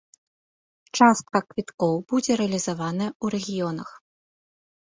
Частка квіткоў будзе рэалізаваная ў рэгіёнах.